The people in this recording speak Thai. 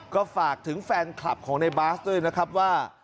ก็ฝากถึงแฟนคลับของในบาสด้วยนะครับว่า